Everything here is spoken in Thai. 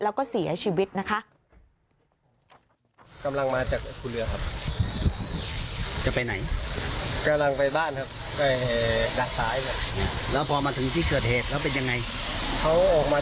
แล้วก็เสียชีวิตนะคะ